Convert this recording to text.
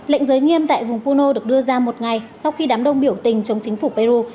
lệnh giới nghiêm tại vùng puno được đưa ra một ngày sau khi đám đông biểu tình chống chính phủ peru